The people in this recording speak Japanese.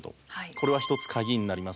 これは一つ鍵になります。